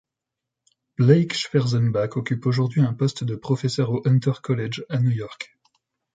Blake Schwarzenbach occupe aujourd'hui un poste de professeur au Hunter College, à New York.